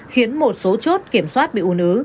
khiến một số chốt kiểm soát bị u nứ